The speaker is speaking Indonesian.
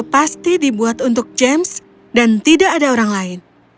pasti dibuat untuk james dan tidak ada orang lain